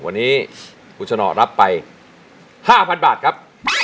วันนี้คุณชนะรับไป๕๐๐๐บาทครับ